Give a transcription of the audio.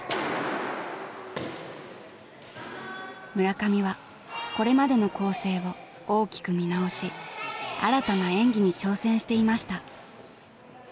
村上はこれまでの構成を大きく見直し新たな演技に挑戦していました。